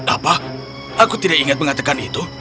apa aku tidak ingat mengatakan itu